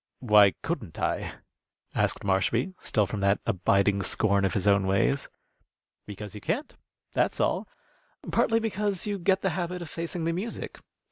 "Why couldn't I?" asked Marshby, still from that abiding scorn of his own ways. "Because you can't, that's all. Partly because you get the habit of facing the music.